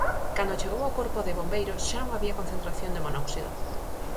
Cando chegou o corpo de bombeiros, xa non había concentración de monóxido.